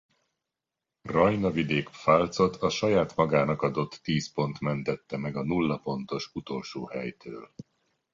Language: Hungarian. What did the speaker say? Rajna-vidék-Pfalzot a saját magának adott tíz pont mentette meg a nulla pontos utolsó helytől.